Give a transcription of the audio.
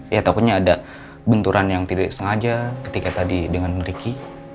ya takutnya ada benturan yang tidak sengaja ketika tadi dengan ricky